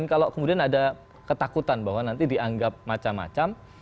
kalau kemudian ada ketakutan bahwa nanti dianggap macam macam